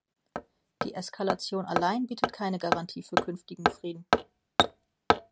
Die Eskalation allein bietet keine Garantie für künftigen Frieden.